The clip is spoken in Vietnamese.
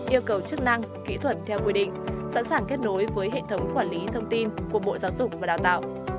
yêu cầu chức năng kỹ thuật theo quy định sẵn sàng kết nối với hệ thống quản lý thông tin của bộ giáo dục và đào tạo